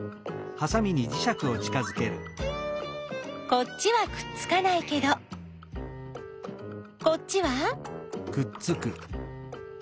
こっちはくっつかないけどこっちは？